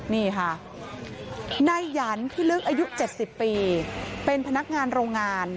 นี่ค่ะนายหยันท์ที่ลึกอายุเจ็ดสิบปีเป็นพนักงานโรงงาน